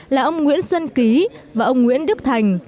là ông nguyễn xuân ký và ông nguyễn đức thành